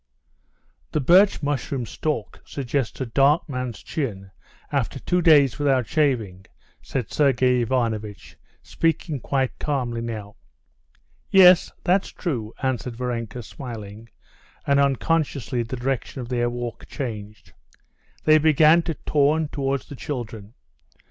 "The birch mushroom's stalk suggests a dark man's chin after two days without shaving," said Sergey Ivanovitch, speaking quite calmly now. "Yes, that's true," answered Varenka smiling, and unconsciously the direction of their walk changed. They began to turn towards the children.